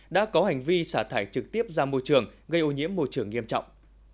đã có hành vi xả thải trực tiếp ra môi trường gây ô nhiễm môi trường nghiêm trọng